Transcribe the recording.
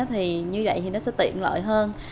thì như vậy thì nó sẽ tiện lợi hơn